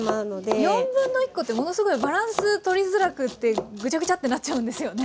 1/4コってものすごいバランス取りづらくってぐちゃぐちゃってなっちゃうんですよね。